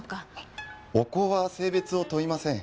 お香は性別を問いません。